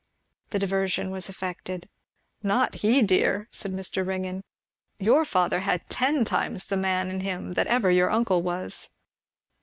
The diversion was effected. "Not he, dear!" said Mr. Ringgan. "Your father had ten times the man in him that ever your uncle was."